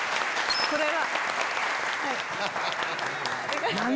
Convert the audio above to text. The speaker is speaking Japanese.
これは？